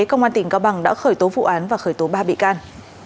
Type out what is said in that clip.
công an tỉnh cao bằng đã khởi tố vụ án và khởi tố ba bị can